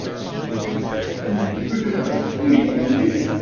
The new company was called Anglo American plc and was based in London.